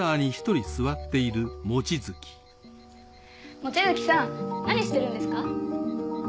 望月さん何してるんですか？